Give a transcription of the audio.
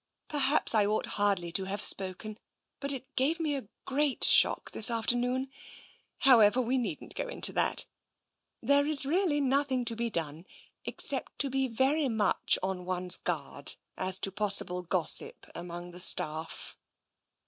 Perhaps I ought hardly to have spoken, but it gave me a great shock this afternoon. However, we needn't go into that. There is really nothing to be done, except to be very much on one's guard as to possible gossip amongst the staff."